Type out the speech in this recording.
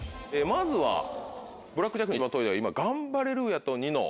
まずはブラックジャックに一番遠いのは今ガンバレルーヤとニノ。